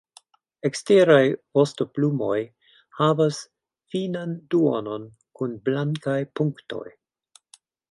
Eksteraj vostoplumoj havas finan duonon kun blankaj punktoj.